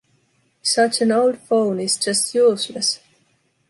Such an old phone is just useless.